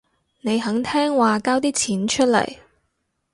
你肯聽話交啲錢出嚟